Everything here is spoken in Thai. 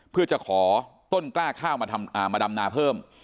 เพื่อจะขอต้นกล้าข้าวมาทำอ่ามาดำหนาเพิ่ม